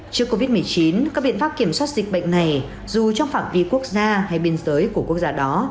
trước covid một mươi chín các biện pháp kiểm soát dịch bệnh này dù trong phạm vi quốc gia hay biên giới của quốc gia đó